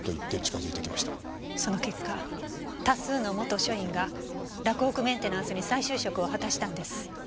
その結果多数の元署員が洛北メンテナンスに再就職を果たしたんです。